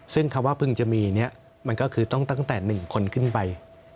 ซึ่งคำว่าเพิ่งจะมีเนี่ยมันก็คือต้องตั้งแต่๑คนขึ้นไป